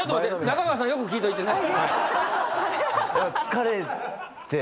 中川さんよく聞いといてね。